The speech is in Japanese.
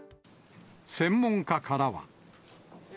専門家からは。